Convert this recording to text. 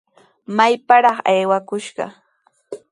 ¡Mayparaq aywakushqa!